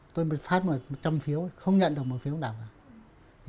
tôi mới phát một trăm linh phiếu không nhận được một phiếu nào cả